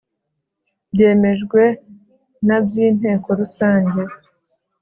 byemejwe na by Inteko Rusange